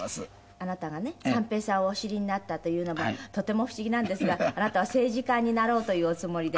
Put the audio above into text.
あなたがね三平さんをお知りになったというのもとても不思議なんですがあなたは政治家になろうというおつもりで。